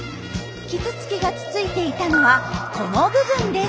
キツツキがつついていたのはこの部分です。